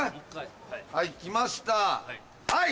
はい来ましたはい！